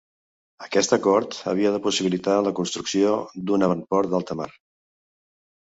Aquest acord havia de possibilitar la construcció d'un avantport d'alta mar.